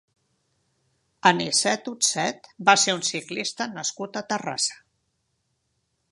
Anicet Utset va ser un ciclista nascut a Terrassa.